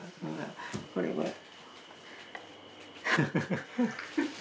これは？